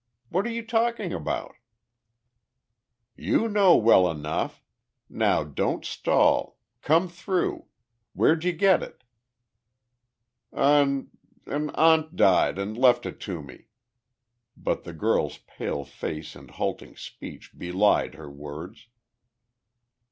"What are you talking about?" "You know well enough! Now don't stall. Come through! Where'd you get it?" "An an aunt died and left it to me," but the girl's pale face and halting speech belied her words.